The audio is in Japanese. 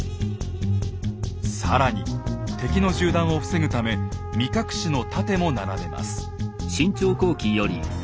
更に敵の銃弾を防ぐため身隠しの盾も並べます。